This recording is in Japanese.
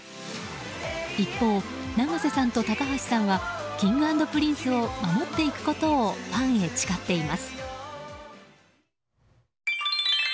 一方、永瀬さんと高橋さんはＫｉｎｇ＆Ｐｒｉｎｃｅを守っていくことをファンヘ誓っています。